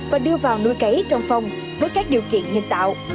và đưa vào nuôi cấy trong phòng với các điều kiện nhân tạo